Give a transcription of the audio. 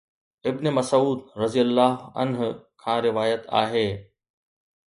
ابن مسعود (رضي الله عنه) کان روايت آهي.